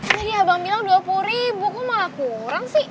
jadi abang bilang rp dua puluh kok malah kurang sih